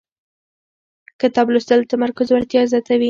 کتاب لوستل د تمرکز وړتیا زیاتوي